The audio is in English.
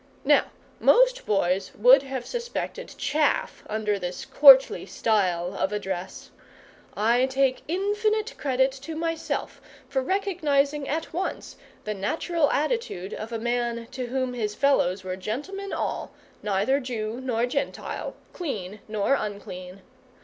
Now most boys would have suspected chaff under this courtly style of address. I take infinite credit to myself for recognising at once the natural attitude of a man to whom his fellows were gentlemen all, neither Jew nor Gentile, clean nor unclean.